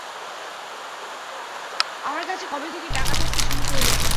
আমার কাছে কবে থেকে টাকা খাকতে শুরু করলো?